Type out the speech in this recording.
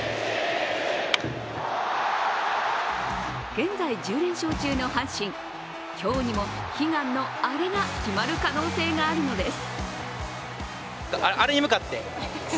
現在、１０連勝中の阪神今日にも悲願のアレが決まる可能性があるのです。